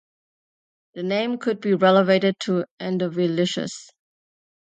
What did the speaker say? The name could be related to Endovelicus.